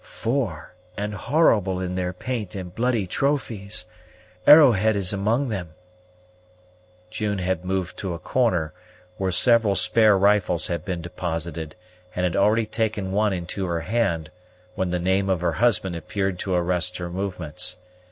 "Four; and horrible in their paint and bloody trophies. Arrowhead is among them." June had moved to a corner, where several spare rifles had been deposited, and had already taken one into her hand, when the name of her husband appeared to arrest her movements.